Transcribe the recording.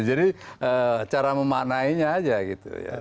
jadi cara memanainya aja gitu ya